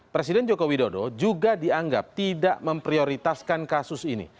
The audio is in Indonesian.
presiden joko widodo juga dianggap tidak memprioritaskan kasus ini